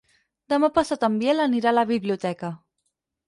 Demà passat en Biel anirà a la biblioteca.